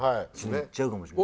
言っちゃうかもしれない。